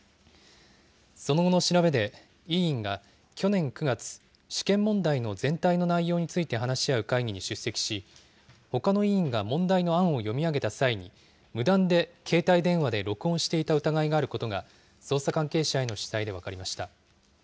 その後の調べで、委員が去年９月、試験問題の全体の内容について話し合う会議に出席し、ほかの委員が問題の案を読み上げた際に、無断で携帯電話で録音していた疑いがあることが、捜査関係者への取材で分かりました。